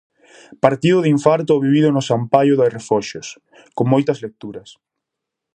Partido de infarto o vivido no San Paio de Refoxos, con moitas lecturas.